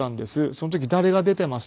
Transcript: その時誰が出ていました？